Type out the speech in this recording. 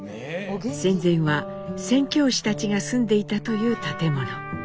戦前は宣教師たちが住んでいたという建物。